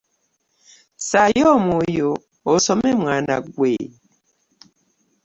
Ssaayo omwoyo osome mwana ggwe.